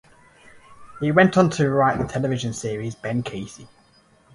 He went on to write the television series "Ben Casey".